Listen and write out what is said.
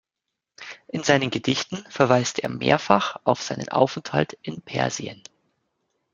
In seinen Gedichten verweist er mehrfach auf seinen Aufenthalt in Persien.